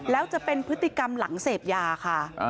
แล้วจะเป็นพฤติกรรมหลังเสพยาค่ะ